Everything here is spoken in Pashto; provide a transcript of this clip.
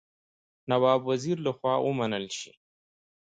نواب وزیر له خوا ومنل شي.